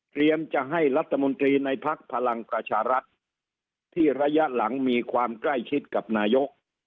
จะให้รัฐมนตรีในภักดิ์พลังประชารัฐที่ระยะหลังมีความใกล้ชิดกับนายก